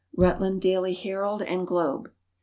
_Rutland Daily Herald and Globe.